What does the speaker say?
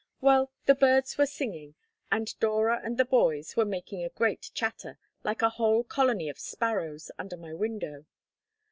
Well, the birds were singing, and Dora and the boys were making a great chatter, like a whole colony of sparrows, under my window.